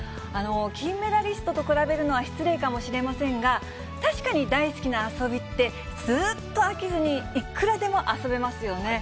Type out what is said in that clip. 金メダリストと比べるのは失礼かもしれませんが、確かに大好きな遊びって、ずっと飽きずにいくらでも遊べますよね。